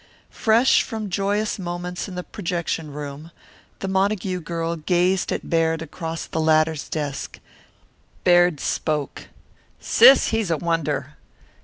Fresh from joyous moments in the projection room, the Montague girl gazed at Baird across the latter's desk, Baird spoke. "Sis, he's a wonder."